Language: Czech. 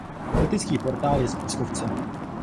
Gotický portál je z pískovce.